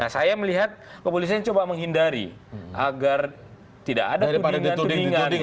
saya melihat kepolisian coba menghindari agar tidak ada tudingan tudingan